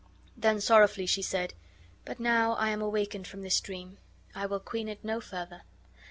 Then sorrowfully she said, "But now I am awakened from this dream, I will queen it no further.